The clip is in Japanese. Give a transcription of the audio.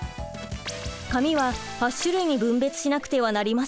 紙は８種類に分別しなくてはなりません。